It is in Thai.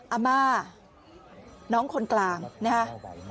อาม่าน้องคนกลางนะฮะ